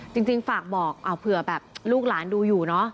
จริงฝากบอกเผื่อแบบลูกหลานดูอยู่เนอะ